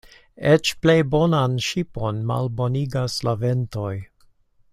Eĉ plej bonan ŝipon malbonigas la ventoj.